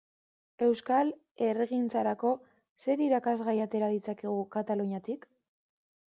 Euskal herrigintzarako zer irakasgai atera ditzakegu Kataluniatik?